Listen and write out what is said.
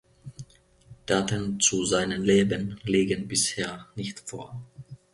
Daten zu seinen Leben liegen bisher nicht vor.